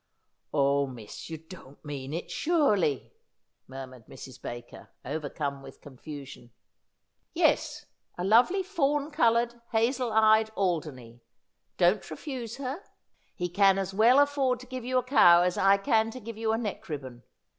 ' Oh, miss, you don't mean it, sixrely !' murmured Mrs. Baker, overcome with confusion. 'Yes; a lovely fawn coloured, hazel eyed Alderney. Don't refuse her. He can as well afford to give you a cow as I can to give you a neck ribbon.